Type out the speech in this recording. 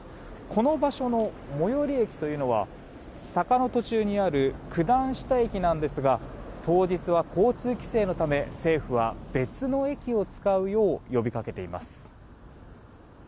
この場所の最寄り駅は坂の途中にある九段下駅なんですが当日は、交通規制のため政府は別の駅を使うよう呼びかけています。